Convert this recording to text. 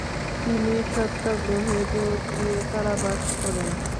তিনি সত্যাগ্ৰহেও যোগ দিয়ে কারাবাস করেন।